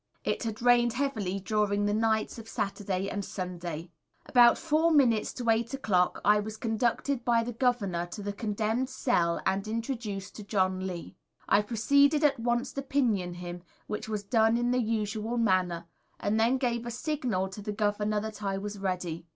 It had rained heavily during the nights of Saturday and Sunday. About four minutes to eight o'clock I was conducted by the Governor to the condemned Cell and introduced to John Lee. I proceeded at once to pinion him, which was done in the usual manner, and then gave a signal to the Governor that I was ready.